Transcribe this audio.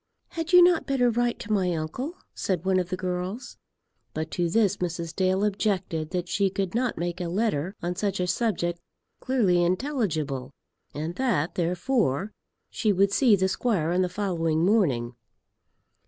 "Had you not better write to my uncle?" said one of the girls. But to this Mrs. Dale objected that she could not make a letter on such a subject clearly intelligible, and that therefore she would see the squire on the following morning.